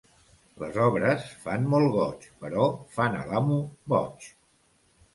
Les obres fan molt goig, però fan a l'amo boig.